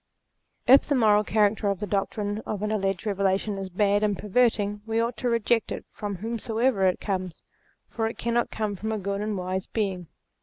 If the moral character of the doctrines of an alleged Eevelation is bad and perverting, we ought to reject it from whomsoever it comes ; for it cannot come from a good and wise Being.